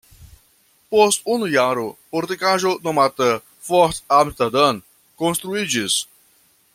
Post unu jaro fortikaĵo nomata "Fort Amsterdam" konstruiĝis.